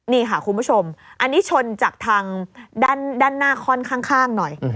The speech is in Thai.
นี่ค่ะคุณผู้ชมอันนี้ชนจากทางด้านหน้าค่อนข้างหน่อย